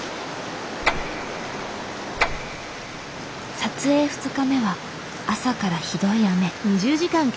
撮影２日目は朝からひどい雨。